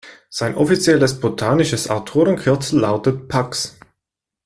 Sein offizielles botanisches Autorenkürzel lautet „Pax“.